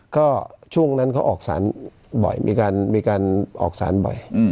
ก็ช่วงนั้นเขาออกสารบ่อยมีการออกสารบ่อย